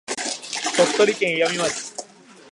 鳥取県岩美町